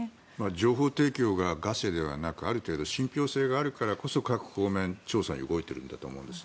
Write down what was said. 情報提供がガセではなくある程度信ぴょう性があるからこそ各方面、調査に動いているんだと思うんです。